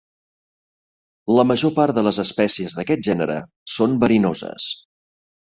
La major part de les espècies d’aquest gènere són verinoses.